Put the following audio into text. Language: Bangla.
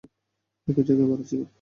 একই জায়গায় ভাড়া ছিলাম।